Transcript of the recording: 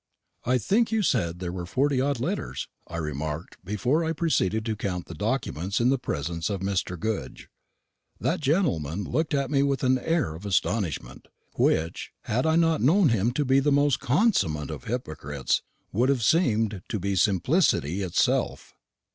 "I think you said there were forty odd letters," I remarked, before I proceeded to count the documents in the presence of Mr. Goodge. That gentleman looked at me with an air of astonishment, which, had I not known him to be the most consummate of hypocrites, would have seemed to be simplicity itself.